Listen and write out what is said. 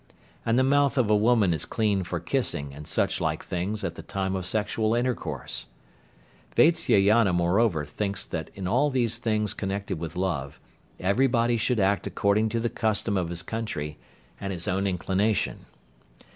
And the mouth of a woman is clean for kissing and such like things at the time of sexual intercourse. Vatsyayana moreover thinks that in all these things connected with love, everybody should act according to the custom of his country, and his own inclination.